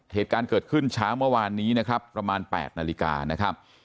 เหตุการณ์เกิดขึ้นเช้าเมื่อวานนี้นะครับประมาณ๘นาฬิกานะครับ